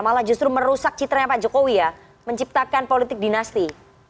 malah justru merusak citranya pak jokowi ya menciptakan politik dinasti